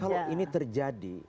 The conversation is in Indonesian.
kalau ini terjadi